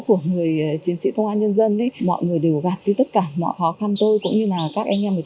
của người chiến sĩ công an nhân dân mọi người đều gạt đi tất cả mọi khó khăn tôi cũng như là các anh em